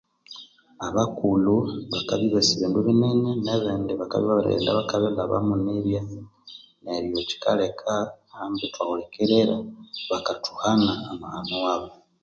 Abakulhu bakabya ibasi bindu binene nebindi bakabya ibabirighenda bakalhaba nibya neryo kyikaleka ambi ithwahulikirira bakathuha amahano wabo